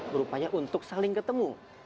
berupaya untuk saling ketemu